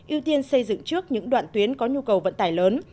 ưu tiên xây dựng trước những đoạn tuyến có nhu cầu vận tải lớn